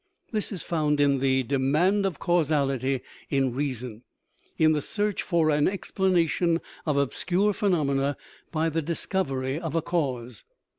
This is found in the "demand of causality in reason/' in the search for an explanation of obscure phenomena by the discovery of a cause.